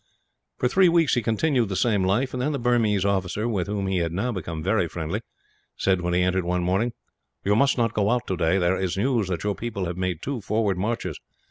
For three weeks he continued the same life, and then the Burmese officer, with whom he had now become very friendly, said when he entered one morning: "You must not go out today. There is news that your people have made two forward marches.